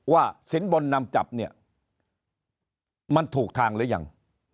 สินบนนำจับเนี่ยมันถูกทางหรือยัง